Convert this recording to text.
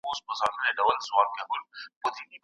چې کله دې زموږ د مرگ فتواء ورکړه پردو ته